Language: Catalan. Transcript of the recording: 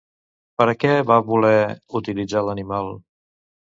Per a què va voler utilitzar l'animal?